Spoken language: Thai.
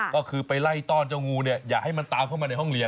ก็คือไปไล่ต้อนเจ้างูเนี่ยอย่าให้มันตามเข้ามาในห้องเรียน